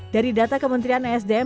dari data kementerian asdm